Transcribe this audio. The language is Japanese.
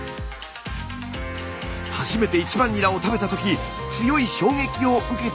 初めて１番ニラを食べた時強い衝撃を受けたんだとか。